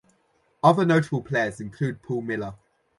Other notable players include Paul Miller.